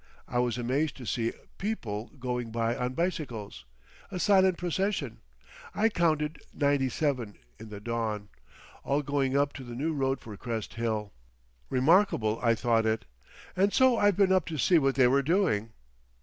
I was amazed to see people going by on bicycles. A silent procession. I counted ninety seven—in the dawn. All going up to the new road for Crest Hill. Remarkable I thought it. And so I've been up to see what they were doing."